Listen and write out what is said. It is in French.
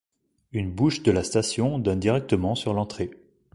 Une bouche de la station donne directement sur l'entrée.